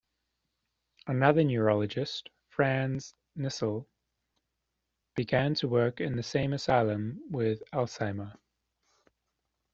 Another neurologist, Franz Nissl, began to work in the same asylum with Alzheimer.